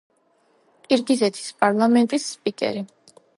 ყირგიზეთის პარლამენტის სპიკერი.